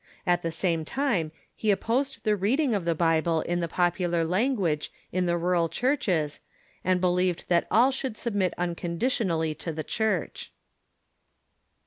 At. the same time he opposed the reading of the Bible in the popular language in the rural churches, and believed that all should submit un conditionally to the Church.